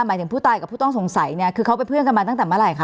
หมายถึงผู้ตายกับผู้ต้องสงสัยเนี่ยคือเขาเป็นเพื่อนกันมาตั้งแต่เมื่อไหร่คะ